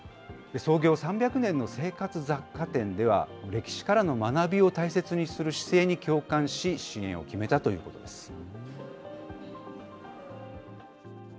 創業３００年の生活雑貨店では、歴史からの学びを大切にする姿勢に共感し、支援を決めたということです。